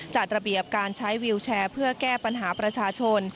จัดระเบียบการใช้วิวแชร์เพื่อแก้ปัญหาประชาชน